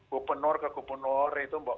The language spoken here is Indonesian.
gubernur ke gubernur itu